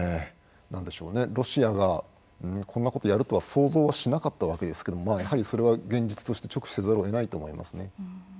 ロシアがこんなことやるとは想像しなかったわけですけどやはり、それは現実として直視せざるを得ないと思います。